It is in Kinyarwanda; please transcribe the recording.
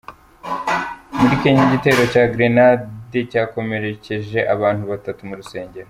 Muri Kenya igitero cya Gerenade cyakomerekeje abana batatu mu rusengero